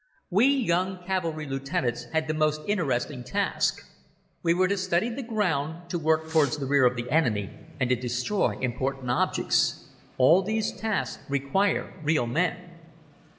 We young cavalry Lieutenants had the most interesting task. We were to study the ground, to work towards the rear of the enemy, and to destroy important objects. All these tasks require real men.